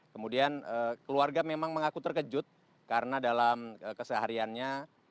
kemudian keluarga memang mengaku terkejut karena dalam kesehariannya